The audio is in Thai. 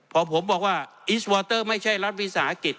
พอผมบอกว่าอีสวอเตอร์ไม่ใช่รัฐวิสาหกิจ